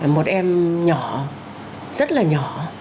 một em nhỏ rất là nhỏ